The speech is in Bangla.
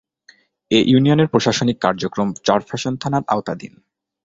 এ ইউনিয়নের প্রশাসনিক কার্যক্রম চরফ্যাশন থানার আওতাধীন।